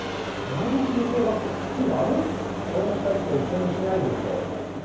いまどきの小学生口悪っこの二人と一緒にしないでちょうだい